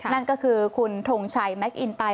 นั่นก็คือคุณถงชัยแมทิอินป์ใต่